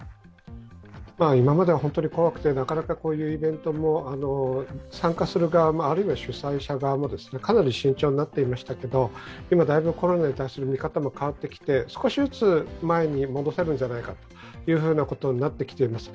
今までは本当に怖くてなかなかこういうイベントも参加する側も、あるいは主催者側もかなり慎重になっていましたけど、今、だいぶコロナに対する見方も変わってきて、少しずつ前に戻せるんじゃないかということになってきています。